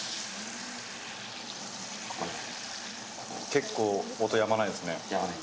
結構、音やまないですね。